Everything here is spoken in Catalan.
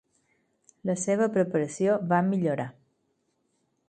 La seva preparació va millorar.